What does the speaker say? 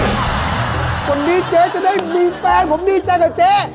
วันนี้เจ๊จะได้มีแฟนผมดีใจกับเจ๊